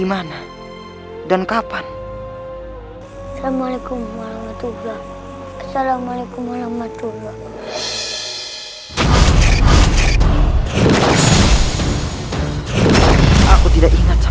kalau gak bercanda